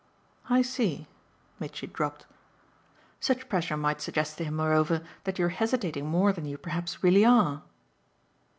"I see," Mitchy dropped. "Such pressure might suggest to him moreover that you're hesitating more than you perhaps really are."